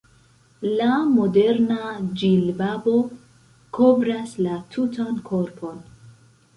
La moderna ĝilbabo kovras la tutan korpon.